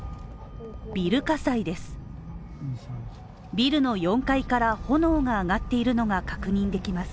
ビル火災です。